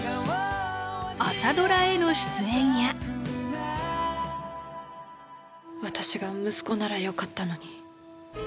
「朝ドラ」への出演や「私が息子ならよかったのに」